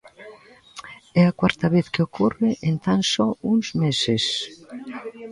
É a cuarta vez que ocorre en tan só uns meses.